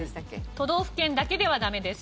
都道府県だけではダメです。